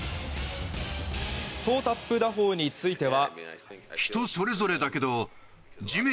トータップ打法については。